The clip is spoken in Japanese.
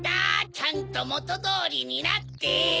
ちゃんともとどおりになって。